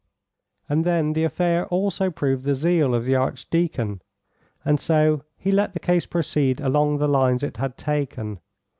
And then the affair also proved the zeal of the Archdeacon, and so he let the case proceed along the lines it had taken.